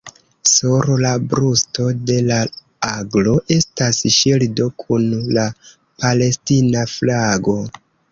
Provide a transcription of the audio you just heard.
Sur la brusto de la aglo estas ŝildo kun la palestina flago.